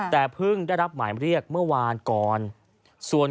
แต่เพิ่งได้รับหมายเรียกเมื่อวานก่อน